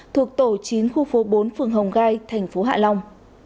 thuộc tổ chín khu phố bốn phường hồng gai thành phố hạ long